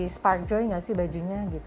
spark joy gak sih bajunya gitu